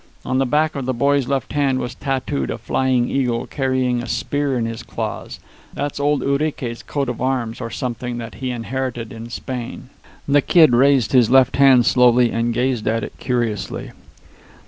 On the back of the boy's left hand was tattooed a flying eagle carrying a spear in his claws. That's old Urique's coat of arms or something that he inherited in Spain." The Kid raised his left hand slowly and gazed at it curiously.